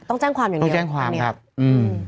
ต้องแจ้งความแหละต้องแจ้งความอย่างนี้